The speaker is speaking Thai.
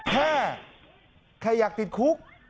แค่ใครอยากติดคุก